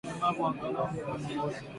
Ulemavu wa angalau mguu mmoja